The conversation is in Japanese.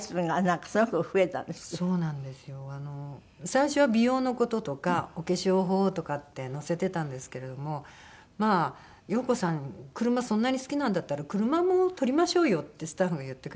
最初は美容の事とかお化粧法とかって載せてたんですけれどもまあ「陽子さん車そんなに好きなんだったら車も撮りましょうよ」ってスタッフが言ってくれて。